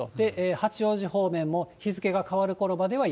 八王子方面も日付が変わるころまでは雪。